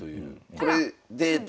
これデータ